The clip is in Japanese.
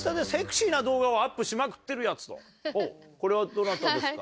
これはどなたですか？